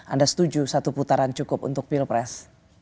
anda setuju satu putaran cukup untuk pilpres